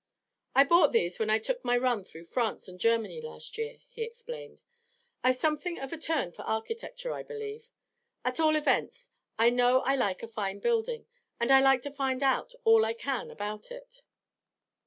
'I bought these when I took my run through France and Germany last year,' he explained. 'I've something of a turn for architecture, I believe; at all events, I know I like a fine building, and I like to find out all I can about it.'